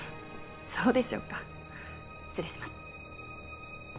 そうでしょうか失礼します